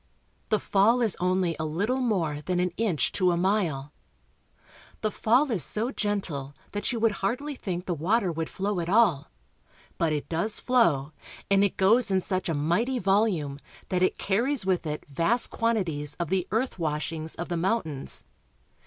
The fall is only a little more than an inch to a mile. The fall is so gentle that you would hardly think the CARP. S. AM. — 19 300 BRAZIL. water would flow at all ; but it does flow, and it goes in such a mighty volume that it carries with it vast quanti ties of the earth washings of the mountains.